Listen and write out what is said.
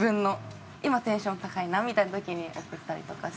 今テンション高いなみたいな時に送ったりとかするように。